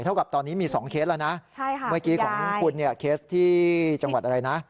เท่ากับตอนนี้มี๒เคสแล้วนะเมื่อกี้ของคุณเนี่ยเคสที่จังหวัดอะไรนะ